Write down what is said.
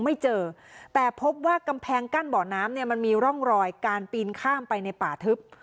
ไม่เจอแต่พบว่ากำแพงกั้นบ่อน้ำเนี่ยมันมีร่องรอยการปีนข้ามไปในป่าทึบ